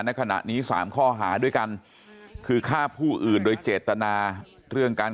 ในขณะนี้๓ข้อหาด้วยกันคือฆ่าผู้อื่นโดยเจตนาเรื่องการ